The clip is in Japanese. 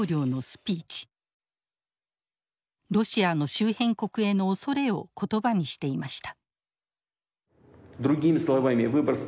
ロシアの周辺国への恐れを言葉にしていました。